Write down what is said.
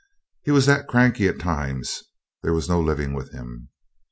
He was that cranky at times there was no living with him.